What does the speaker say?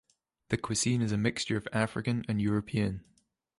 The cuisine is a mixture of African and European.